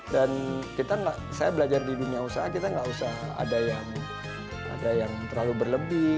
dan kita nggak saya belajar di dunia usaha kita nggak usah ada yang terlalu berlebih